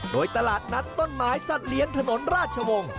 โดยตลาดนัดต้นไม้สัตว์เลี้ยงถนนราชวงศ์